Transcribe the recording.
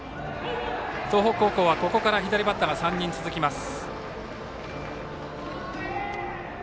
東北高校はここから左バッターが３人続きます。